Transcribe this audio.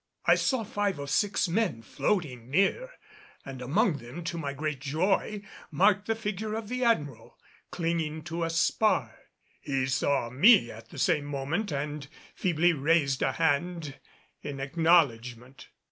I saw five or six men floating near and among them to my great joy marked the figure of the Admiral, clinging to a spar. He saw me at the same moment and feebly raised a hand in acknowledgment.